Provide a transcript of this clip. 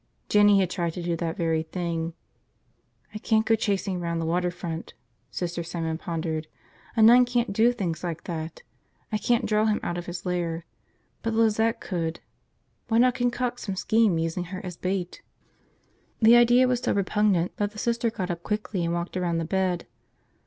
Jinny had tried to do that very thing. I can't go chasing around the water front, Sister Simon pondered, a nun can't do things like that. I can't draw him out of his lair. .... But Lizette could. Why not concoct some scheme using her as bait? The idea was so repugnant that the Sister got up quickly and walked around the bed.